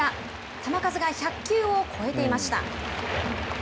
球数が１００球を超えていました。